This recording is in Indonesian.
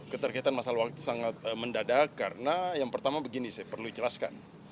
keterkaitan masalah waktu itu sangat mendadak karena yang pertama begini saya perlu jelaskan